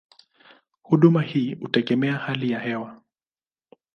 Huduma hii hutegemea hali ya hewa.